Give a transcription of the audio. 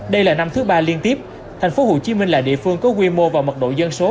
đây là năm thứ ba liên tiếp thành phố hồ chí minh là địa phương có quy mô và mật độ dân số